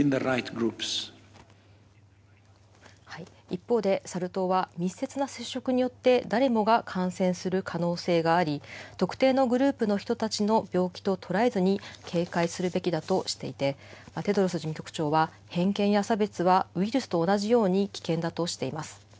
一方で、サル痘は密接な接触によって誰もが感染する可能性があり、特定のグループの人たちの病気と捉えずに、警戒するべきだとしていて、テドロス事務局長は偏見や差別はウイルスと同じように危険だとしています。